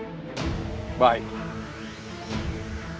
aku akan memberikan bukti untukmu